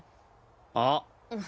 あっ。